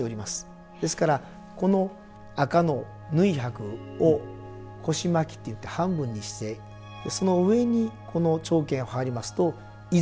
ですからこの紅の縫箔を腰巻っていって半分にしてその上にこの長絹を羽織りますと「井筒」の後